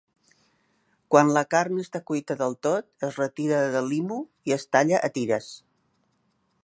Quan la carn està cuita del tot, es retira de l'imu i es talla a tires.